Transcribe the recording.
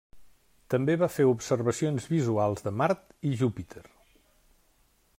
També va fer observacions visuals de Mart i Júpiter.